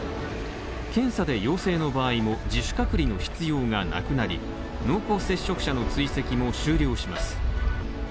検査で陽性の場合も、自主隔離の必要がなくなり、濃厚接触者の追跡も終了します。